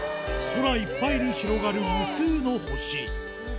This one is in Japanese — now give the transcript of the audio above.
空いっぱいに広がる無数の星